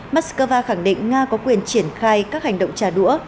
moscow khẳng định nga có quyền triển khai các hành động trả đũa